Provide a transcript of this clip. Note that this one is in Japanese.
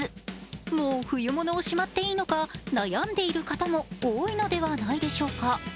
もう冬物をしまっていいのか悩んでいる方も多いのではないのでしょうか。